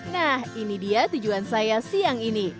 nah ini dia tujuan saya siang ini